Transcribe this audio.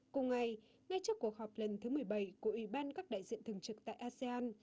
cùng ngày ngay trước cuộc họp lần thứ một mươi bảy của ủy ban các đại diện thường trực tại asean